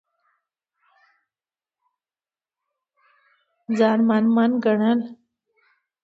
ځان من من ګڼل